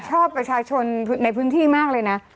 ชอบประชาชนในพื้นที่มากเลยนะ